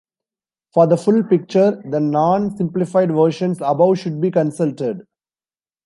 For the full picture, the non-simplified versions above should be consulted.